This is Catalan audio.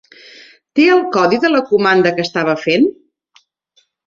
Té el codi de la comanda que estava fent?